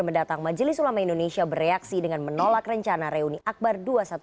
mendatang majelis ulama indonesia bereaksi dengan menolak rencana reuni akbar dua ratus dua belas